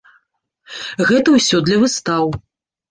Гэта ўсё для выстаў.